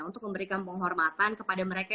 untuk memberikan penghormatan kepada mereka